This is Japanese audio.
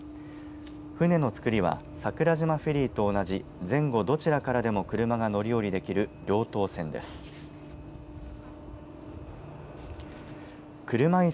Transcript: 船のつくりは桜島フェリーと同じ前後どちらからも車が乗り降りできる両頭船です。